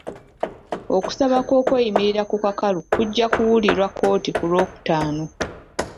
Okusaba kw'okweyimirirwa ku kakalu kujja kuwulirwa kkooti ku lwokutaano.